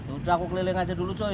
udah aku keliling aja dulu